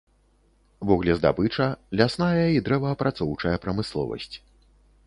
Вуглездабыча, лясная і дрэваапрацоўчая прамысловасць.